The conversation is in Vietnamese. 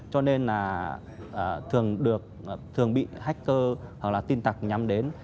cho nên là thường bị hacker hoặc là tin tạc nhắm đến